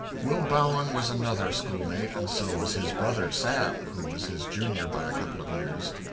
_ Will Bowen was another schoolmate, and so was his brother, Sam, who was his junior by a couple of years.